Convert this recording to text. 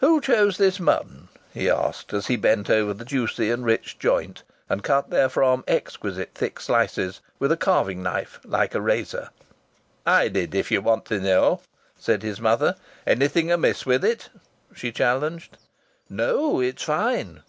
"Who chose this mutton?" he asked as he bent over the juicy and rich joint and cut therefrom exquisite thick slices with a carving knife like a razor. "I did, if ye want to know," said his mother. "Anything amiss with it?" she challenged. "No. It's fine."